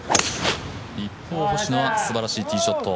一方、星野はすばらしいティーショット。